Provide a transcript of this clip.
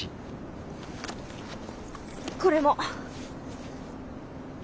これも。